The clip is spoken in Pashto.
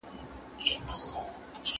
هر کار باید په اندازه ترسره سي.